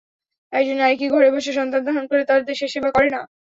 একজন নারী কি ঘরে বসে সন্তান ধারণ করে তার দেশের সেবা করে না?